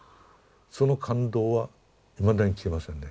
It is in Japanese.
その感動はいまだに消えませんね。